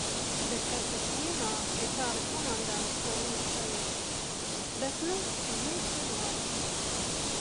Bet kad tas pienāk, ir tāda komandantstundas sajūta. Bet nu viss uz labu.